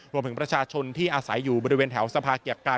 รวมถึงประชาชนที่อาศัยอยู่บริเวณแถวสภาเกียรติกาย